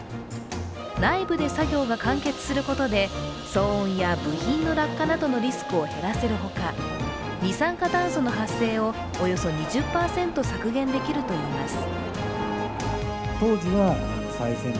内部で作業が完結することで騒音や部品の落下などのリスクを減らせるほか、二酸化炭素の発生をおよそ２０％削減できるといいます。